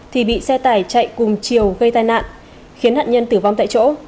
thì bị xe tải chạy cùng chiều gây tai nạn khiến nạn nhân tử vong tại chỗ